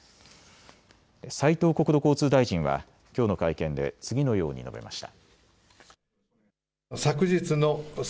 斉藤国土交通大臣はきょうの会見で次のように述べました。